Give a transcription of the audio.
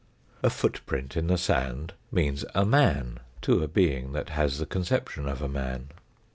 A footprint in the sand means a man to a being that has the con ception of a man.